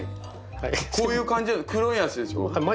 こういう感じ黒いやつでしょ？